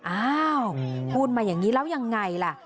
อ้าวพูดมาอย่างนี้แล้วยังไงล่ะ